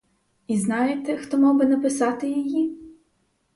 І знаєте, хто мав би написати її?